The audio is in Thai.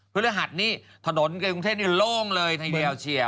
พฤหัสนี่ถนนในกรุงเทพนี่โล่งเลยทีเดียวเชียว